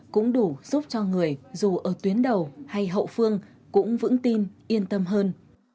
cũng đủ giúp cho người dù ở tuyến đầu hay hậu phương cũng vững tin yên tâm hơn